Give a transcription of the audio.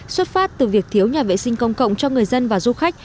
xuất phát từ việc thiếu nhà vệ sinh công cộng cho người dân và du khách